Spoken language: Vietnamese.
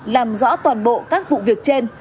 làm rõ toàn bộ các vụ việc trên